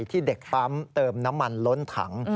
ที่เด็กปั๊มเติมน้ำมันล้นถัง